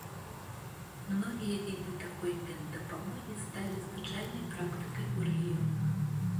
Многія віды такой меддапамогі сталі звычайнай практыкай у рэгіёнах.